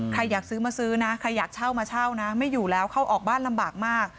อยากซื้อมาซื้อนะใครอยากเช่ามาเช่านะไม่อยู่แล้วเข้าออกบ้านลำบากมาก